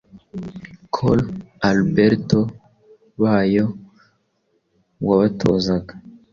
col alberto bayo wabatozaga